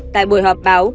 tại buổi họp báo